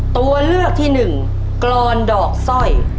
ตัวเลือกที่หนึ่งกรอนดอกสร้อย